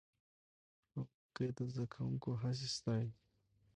ښوونکی د زده کوونکو هڅې ستایي